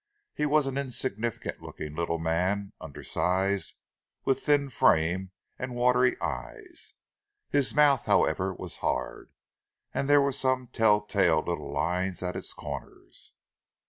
He was an insignificant looking little man, undersized, with thin frame and watery eyes. His mouth, however, was hard, and there were some tell tale little lines at its corners.